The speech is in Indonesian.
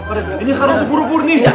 pak deh ini harus buru buru nih ya